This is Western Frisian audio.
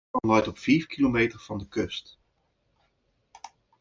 Dat eilân leit op fiif kilometer fan de kust.